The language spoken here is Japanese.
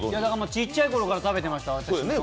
ちっちゃいことから食べていました。